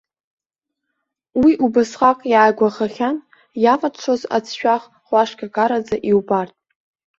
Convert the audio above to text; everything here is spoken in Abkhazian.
Уи убасҟак иааигәахахьан, иаваҽҽоз аӡшәах ҟәашккараӡа иубартә.